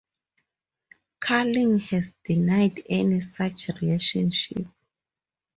Carling has denied any such relationship.